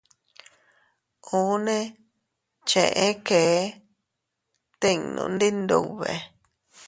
Unne cheʼe kee tinnu ndi Iyndube.